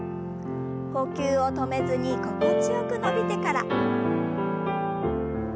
呼吸を止めずに心地よく伸びてから。